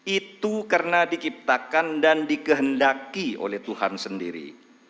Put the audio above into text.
itu karena diciptakan dan dikehendaki oleh tuhan sendiri